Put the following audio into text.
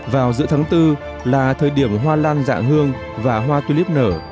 vào giữa tháng bốn là thời điểm hoa lan dạng hương và hoa tulip nở